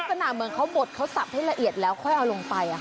ลักษณะเหมือนเขาบดเขาสับให้ละเอียดแล้วค่อยเอาลงไป